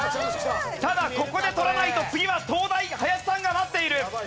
ただここで取らないと次は東大林さんが待っている！